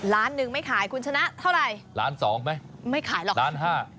ล้านนึงไม่ขายคุณชนะเท่าไรล้านสองไหมล้านห้า